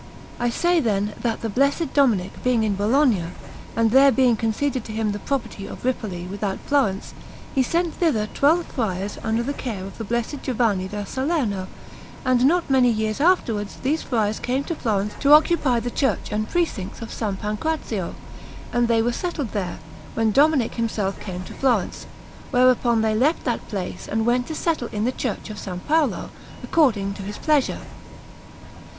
I say, then, that the Blessed Dominic being in Bologna, and there being conceded to him the property of Ripoli without Florence, he sent thither twelve friars under the care of the Blessed Giovanni da Salerno; and not many years afterwards these friars came to Florence to occupy the church and precincts of S. Pancrazio, and they were settled there, when Dominic himself came to Florence, whereupon they left that place and went to settle in the Church of S. Paolo, according to his pleasure.